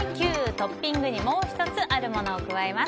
トッピングにもう１つあるものを加えます。